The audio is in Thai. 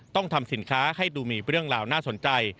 ต้องทำสินค้าให้ดูมีเรื่องราวน่าสนใจ